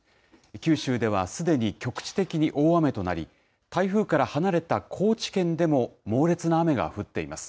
九州ではすでに局地的に大雨となり、台風から離れた高知県でも猛烈な雨が降っています。